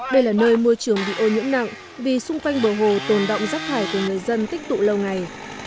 đây là nơi môi trường bị ô nhũng nặng vì xung quanh bờ hồ tồn động rắc hải của người dân tích tụ lâu ngày